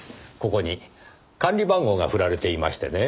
ここに管理番号が振られていましてね。